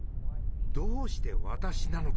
「どうして私なのか？